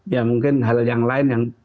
ya mungkin hal yang lain yang